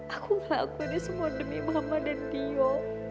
aku ngelakuin ini semua demi mama dan dio